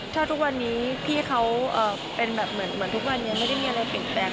ถ้าทุกวันนี้พี่เขาเป็นแบบเหมือนทุกวันนี้ไม่ได้มีอะไรเปลี่ยนแปลง